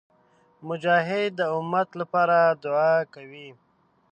مجاهد د امت لپاره دعا کوي.